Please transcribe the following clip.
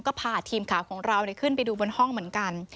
ก็พาทีมข่าวของเราขึ้นไปดูบนห้องเหมือนกัน